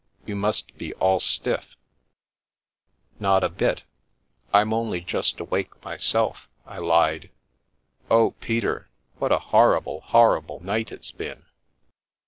You must be all stiff "" Not a bit ! I'm only just awake myself," I lied. " Oh, Peter, what a horrible, horrible night it's been